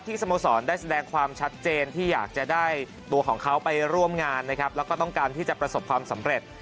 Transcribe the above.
สโมสรได้แสดงความชัดเจนที่อยากจะได้ตัวของเขาไปร่วมงานนะครับแล้วก็ต้องการที่จะประสบความสำเร็จ